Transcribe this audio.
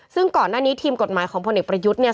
ซึ่งก่อนหน้านี้ทีมกฎหมายของพลเอกประยุทธ์เนี่ย